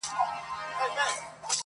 هغه چي ګرځی سوداګر دی په ونه غولیږی؛